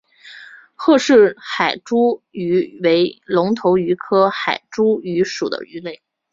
赫氏海猪鱼为隆头鱼科海猪鱼属的鱼类。